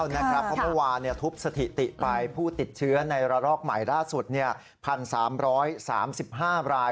เพราะเมื่อวานทุบสถิติไปผู้ติดเชื้อในระลอกใหม่ล่าสุด๑๓๓๕ราย